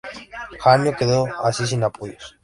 Jânio quedó así sin apoyos.